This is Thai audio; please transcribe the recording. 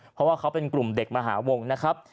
เพราะว่าเขาเป็นกลุ่มเด็กมหาวงนะครับ